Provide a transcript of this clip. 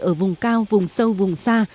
ở vùng cao vùng sâu vùng xa